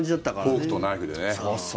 フォークとナイフでね。